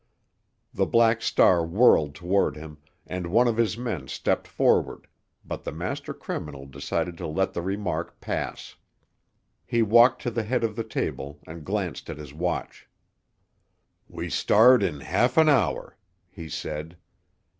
The Black Star whirled toward him, and one of his men stepped forward, but the master criminal decided to let the remark pass. He walked to the head of the table and glanced at his watch. "We start in half an hour," he said.